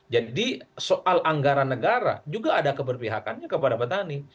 jadi soal anggaran negara juga ada keberpihakannya kepada petani